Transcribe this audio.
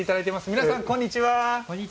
皆さん、こんにちは。